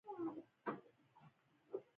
د ګامبیا متل وایي بښنه کول د کامیابۍ لامل دی.